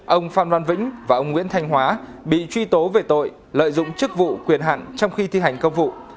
ông phan văn vĩnh và ông nguyễn thanh hóa bị truy tố về tội lợi dụng chức vụ quyền hạn trong khi thi hành công vụ